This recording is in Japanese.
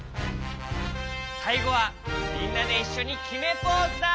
さいごはみんなでいっしょにきめポーズだ！